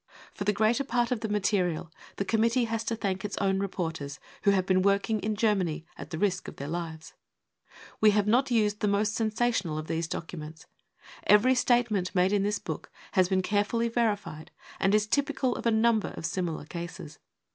For the greater part of the material the Committee has to thank its own reporters, who have been working in Germany at the risk of their lives. We have not used the most sensational of these docu ments. Every statement made in this book has been care fully verified and is typical of a number of similar cases.